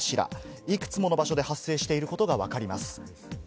いくつもの場所で発生しているのがわかります。